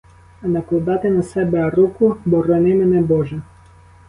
А накладати на себе руку — борони мене боже.